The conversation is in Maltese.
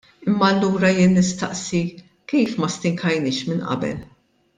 Imma allura jien nistaqsi: Kif ma stinkajniex minn qabel?